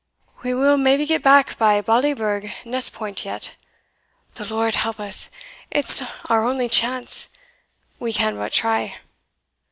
We will maybe get back by Bally burgh Ness Point yet. The Lord help us! it's our only chance. We can but try."